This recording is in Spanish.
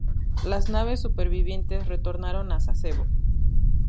Las naves supervivientes retornaron a Sasebo.